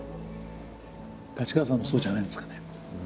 太刀川さんもそうじゃないんですかね。